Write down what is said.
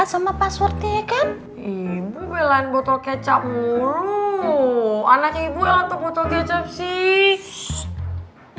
sama passwordnya ya kan ibu belain botol kecap mulu anak ibu yang tuh botol kecap sih